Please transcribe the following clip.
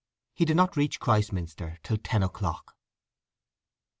He did not reach Christminster till ten o'clock.